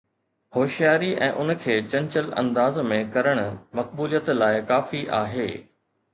هوشياري ۽ ان کي چنچل انداز ۾ ڪرڻ مقبوليت لاءِ ڪافي آهي.